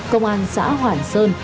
công an xã hoàn sơn